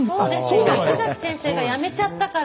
石崎先生が辞めちゃったから。